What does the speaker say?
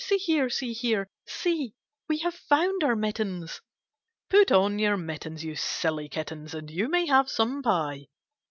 See here, see here. See! we have found our mittens." *"Put on your mittens, You silly Kittens, And you may have some pie."